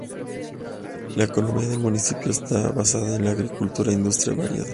La economía del municipio está basada en agricultura e industria variada.